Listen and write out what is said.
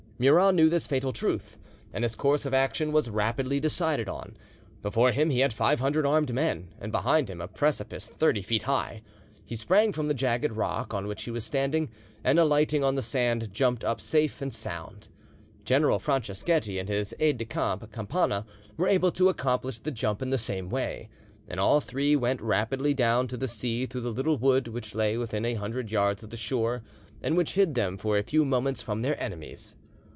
Murat knew this fatal truth, and his course of action was rapidly decided on. Before him he had five hundred armed men, and behind him a precipice thirty feet high: he sprang from the jagged rock on which he was standing, and alighting on the sand, jumped up safe and sound. General Franceschetti and his aide de camp Campana were able to accomplish the jump in the same way, and all three went rapidly down to the sea through the little wood which lay within a hundred yards of the shore, and which hid them for a few moments from their enemies.